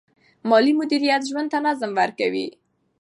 مالي مدیریت ژوند ته نظم ورکوي.